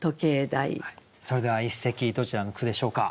それでは一席どちらの句でしょうか？